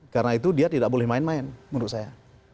karena itu dia tidak boleh main main menurut saya